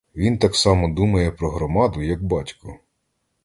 Він так само думає про громаду, як батько.